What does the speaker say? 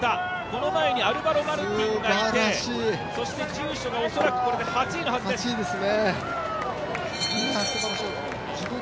この前にアルバロ・マルティンがいてそして住所が恐らくこれで８位のはずです。